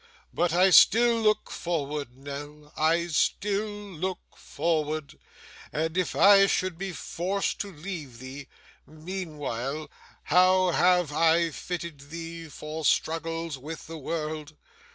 But I still look forward, Nell, I still look forward, and if I should be forced to leave thee, meanwhile, how have I fitted thee for struggles with the world?